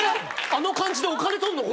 あの感じでお金とんの？